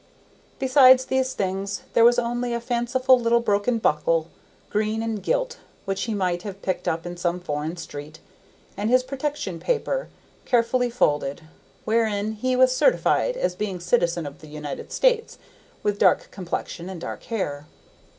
Besides these things there was only a fanciful little broken buckle, green and gilt, which he might have picked up in some foreign street, and his protection paper carefully folded, wherein he was certified as being a citizen of the United States, with dark complexion and dark hair.